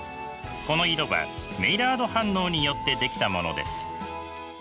この色はメイラード反応によって出来たものです。